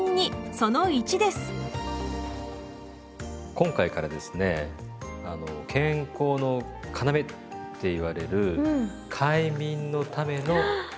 今回からですね「健康のかなめ」って言われる快眠のためのストレッチ。